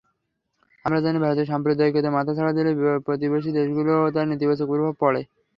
আমরা জানি, ভারতে সাম্প্রদায়িকতা মাথাচাড়া দিলে প্রতিবেশী দেশগুলোতেও তার নেতিবাচক প্রভাব পড়ে।